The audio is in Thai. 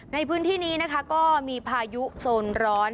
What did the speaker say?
ในพื้นที่นี้นะคะก็มีพายุโซนร้อน